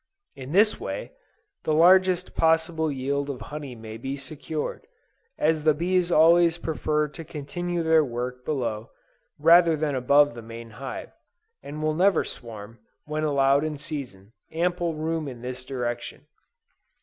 In this way, the largest possible yield of honey may be secured, as the bees always prefer to continue their work below, rather than above the main hive, and will never swarm, when allowed in season, ample room in this direction.